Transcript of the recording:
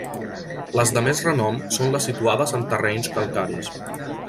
Les de més renom són les situades en terrenys calcaris.